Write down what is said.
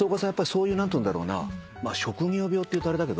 そういう何ていうんだろうな職業病っていうとあれだけど。